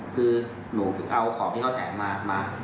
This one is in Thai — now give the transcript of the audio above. แล้วรู้สึกยังไงครับ